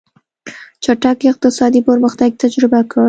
چټک اقتصادي پرمختګ یې تجربه کړ.